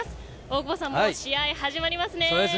大久保さん試合、始まりますね。